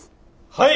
はい。